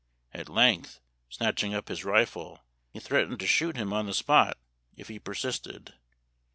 At length, snatching up his rifle, he threatened to shoot him on the spot if he persisted.